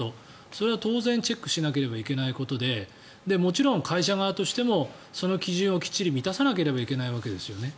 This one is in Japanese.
それは当然、チェックしなければいけないことでもちろん会社側としてもその基準を満たさなきゃいけないわけですよね。